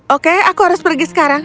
oke aku harus pergi sekarang